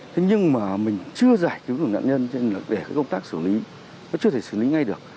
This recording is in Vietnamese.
thế nhưng mà mình chưa giải cứu được nạn nhân cho nên là để công tác xử lý nó chưa thể xử lý ngay được